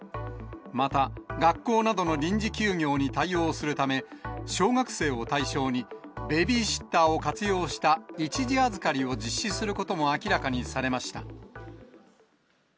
また学校などの臨時休業に対応するため、小学生を対象に、ベビーシッターを活用した一時預かりを実施することも明らかにされました。